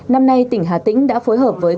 năm nay tỉnh hà tĩnh đã phối hợp với